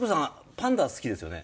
パンダ好きですよね？